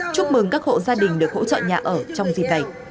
chúc mừng các hộ gia đình được hỗ trợ nhà ở trong dịp này